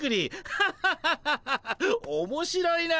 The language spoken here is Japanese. ハハハハハハおもしろいな。